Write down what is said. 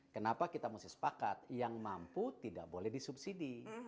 kenapa kita mesti sepakat yang mampu tidak boleh disubsidi